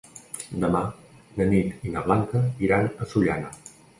Demà na Nit i na Blanca iran a Sollana.